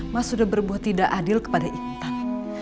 mas sudah berbuat tidak adil kepada intan